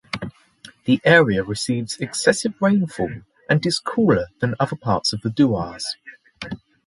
The area receives excessive rainfall and is cooler than other parts of the Dooars.